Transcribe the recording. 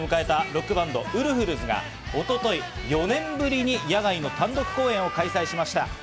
ロックバンド、ウルフルズが一昨日４年ぶりに野外の単独公演を開催しました。